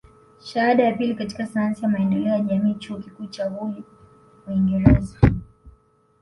Shahada ya pili katika sayansi ya maendeleo ya jamii Chuo Kikuu cha Hull Uingereza